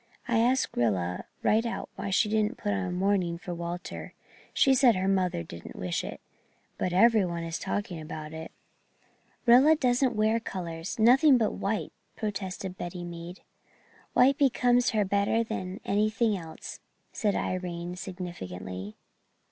I asked Rilla right out why she didn't put on mourning for Walter. She said her mother didn't wish it. But every one is talking about it." "Rilla doesn't wear colours nothing but white," protested Betty Mead. "White becomes her better than anything else," said Irene significantly.